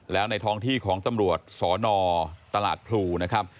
แล้วในท้องที่ของตำรวจสนตลาดพลูนะครับ